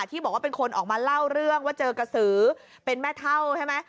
ที่บอกว่าเป็นคนออกมาเล่าเรื่องว่าเจอกระสือเป็นแม่เท่าใช่ไหม